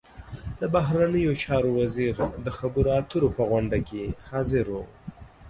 د بهرنیو چارو وزیر د خبرو اترو په غونډه کې حاضر و.